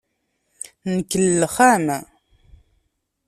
Nkellex-am.